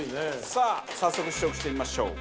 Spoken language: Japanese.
さあ早速試食してみましょう。